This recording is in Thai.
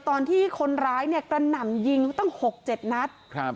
ตอนที่คนร้ายเนี่ยกระหน่ำยิงตั้ง๖๗นัดครับ